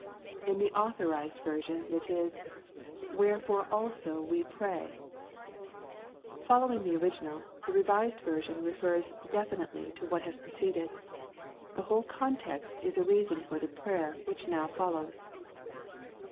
''^ In the Authorised Version it is :" Wherefore also we fray^ Following the original, the R.V. refers definitely to what has preceded. The whole context is a reason for the prayer which now follows.